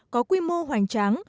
có quy mô hoành tráng